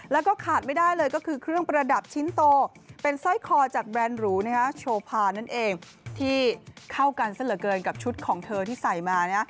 แล้วก็ขาดไม่ได้เลยก็คือเครื่องประดับชิ้นโตเป็นสร้อยคอจากแบรนด์หรูโชพานั่นเองที่เข้ากันซะเหลือเกินกับชุดของเธอที่ใส่มานะ